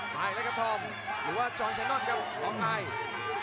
ถ่ายแล้วกับมาอีทหรือว่าจอดแคนนอนแล้วกับล็อคไนท์